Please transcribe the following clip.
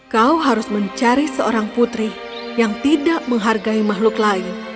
kau harus mencari seorang putri yang tidak menghargai makhluk lain